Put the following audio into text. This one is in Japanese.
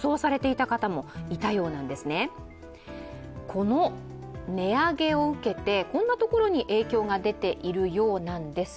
この値上げを受けて、こんなところに影響が出ているようなんです。